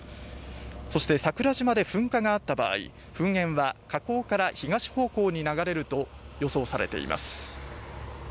そして桜島で噴火があった場合、噴煙は火口から東方向に流れると予想されています。